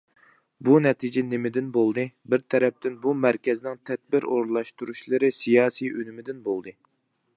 بۇ نەتىجە نېمىدىن بولدى؟ بىر تەرەپتىن بۇ مەركەزنىڭ تەدبىر ئورۇنلاشتۇرۇشلىرى سىياسىي ئۈنۈمىدىن بولدى.